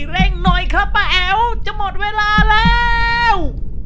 เร่งหน่อยครับป้าแอ๋วจะหมดเวลาแล้ว